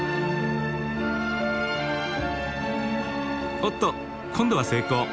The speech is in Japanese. おっと今度は成功。